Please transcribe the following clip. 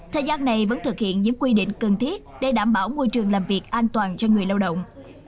thời gian này vẫn thực hiện những quy định cần thiết để đảm bảo môi trường làm việc an toàn cho người lao động